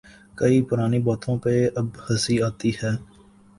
کئی پرانی باتوں پہ اب ہنسی آتی ہے۔